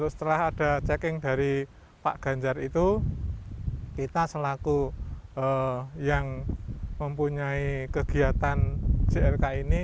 setelah ada checking dari pak ganjar itu kita selaku yang mempunyai kegiatan clk ini